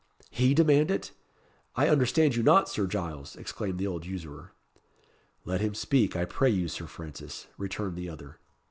"He demand it! I understand you not, Sir Giles!" exclaimed the old usurer. "Let him speak, I pray you, Sir Francis," returned the other.